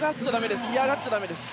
嫌がっちゃだめです。